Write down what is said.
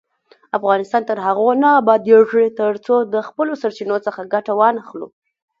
افغانستان تر هغو نه ابادیږي، ترڅو د خپلو سرچینو څخه ګټه وانخلو.